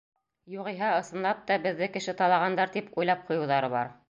Юғиһә, ысынлап та, беҙҙе кеше талағандар, тип уйлап ҡуйыуҙары бар.